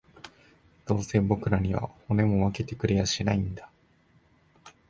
どうせ僕らには、骨も分けてくれやしないんだ